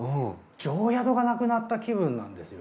定宿がなくなった気分なんですよ。